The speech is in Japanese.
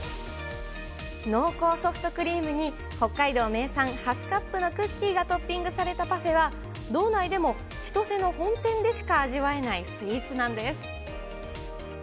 濃厚ソフトクリームに北海道名産、ハスカップのクッキーがトッピングされたパフェは、道内でも千歳の本店でしか味わえないスイーツなんです。